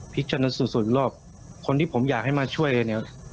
พิชชะนัดสูดศพอีกรอบคนที่ผมอยากให้มาช่วยเนี่ย